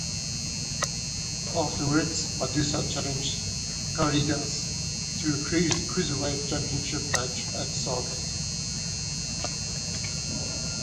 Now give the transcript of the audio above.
Afterwards, Madusa challenged Karagias to a Cruiserweight Championship match at Starrcade.